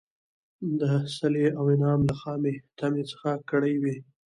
د صلې او انعام له خامي طمعي څخه کړي وي.